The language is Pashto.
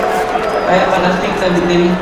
آیا پلاستیک تولیدوو؟